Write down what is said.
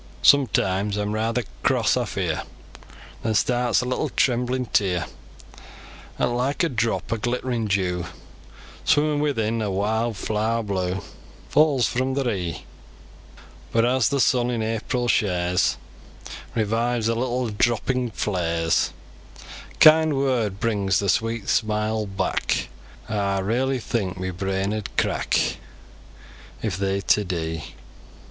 Sometimes aw'm rayther cross? aw fear! Then starts a little tremblin tear, 'At, like a drop o' glitt'rin dew Swimmin within a wild flaar blue, Falls fro ther e'e; But as the sun in April shaars Revives the little droopin flaars, A kind word brings ther sweet smile back: Aw raylee think mi brain ud crack If they'd ta dee.